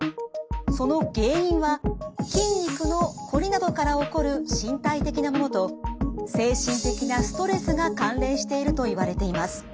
その原因は筋肉のこりなどから起こる身体的なものと精神的なストレスが関連しているといわれています。